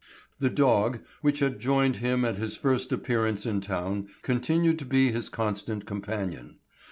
The dog which had joined him at his first appearance in town continued to be his constant companion.